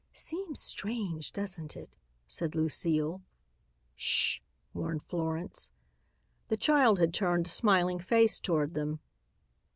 "Seems strange, doesn't it?" said Lucile. "Sh," warned Florence. The child had turned a smiling face toward them.